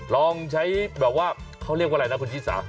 ลองใช้แบบว่าเขาเรียกว่าอะไรนะคุณชิสา